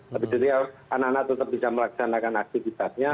tapi jadi anak anak tetap bisa melaksanakan aktivitasnya